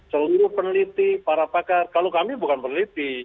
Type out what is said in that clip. seluruh peneliti para pakar kalau kami bukan peneliti